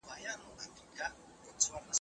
که هر څوک خپل مسؤليت وپېژني، کارونه به سم سي.